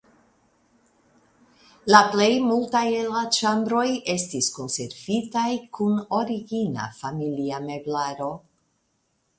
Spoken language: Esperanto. La plej multaj el la ĉambroj estis konservitaj kun origina familia meblaro.